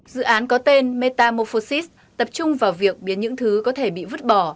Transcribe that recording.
dự án có tên metamorphosis tập trung vào việc biến những thứ có thể bị vứt bỏ